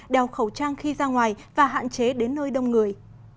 đeo khẩu trang khi ra ngoài và hạn chế đến nơi đông người